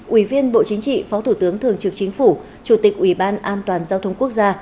ủy viên bộ chính trị phó thủ tướng thường trực chính phủ chủ tịch ủy ban an toàn giao thông quốc gia